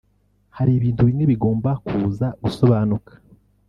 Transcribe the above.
hari ibintu bimwe bigomba kuza gusobanuka